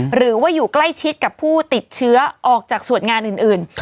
หรือว่าอยู่ใกล้ชิดกับผู้ติดเชื้อออกจากส่วนงานอื่น